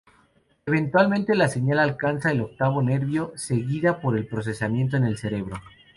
Eventualmente, la señal alcanza el octavo nervio, seguida por el procesamiento en el cerebro.